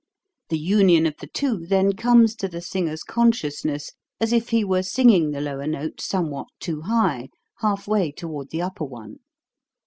The union of the two then comes to the singer's consciousness as if he were singing the lower note somewhat too high, halfway toward the upper one.